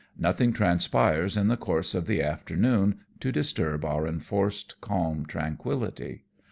Nothing transpires in the course of the afternoon to disturb our enforced calm tranquillity.